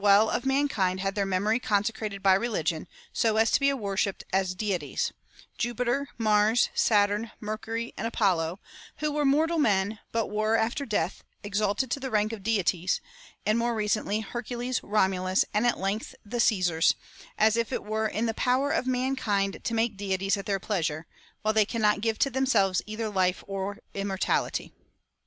277 well of mankind had their memory consecrated by religion, so as to be worshipped as deities — Juj^iter, Mars, Saturn, Mercury, and Apollo, who were mortal men, but were, after death, exalted to the rank of deities ; and, more recently, Hercules, Romulus, and at length the Cesars— as if it were in the power of mankind to make deities at their pleasure, while they cannot give to themselves either life or immor tality.